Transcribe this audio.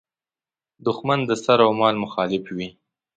دوښمن د سر او مال مخالف وي.